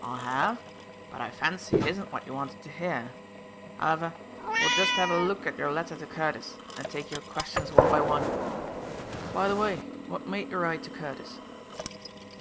"I have; but I fancy it isn't what you wanted to hear. However, we'll just have a look at your letter to Curtis and take your questions one by one. By the way, what made you write to Curtis?"